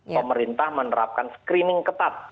pemerintah menerapkan screening ketat